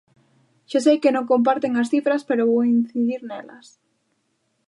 Xa sei que non comparten as cifras pero vou incidir nelas.